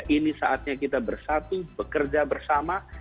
ini saatnya kita bersatu bekerja bersama